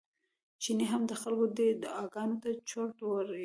چيني هم د خلکو دې دعاګانو ته چورت وړی و.